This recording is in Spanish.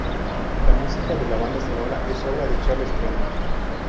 La música de la banda sonora es obra de Charles Trenet.